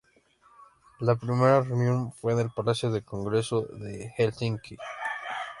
La primera reunión fue en el Palacio de Congresos de Helsinki.